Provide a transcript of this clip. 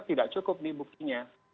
tidak cukup nih buktinya